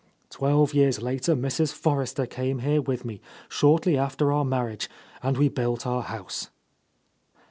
Twelve years later Mrs. Forrester came here with me, shortly after our marriage, and we built our house."